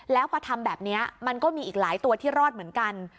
แล้วพอทำแบบนี้มันก็มีอีกหลายตัวที่รอดเหมือนกัน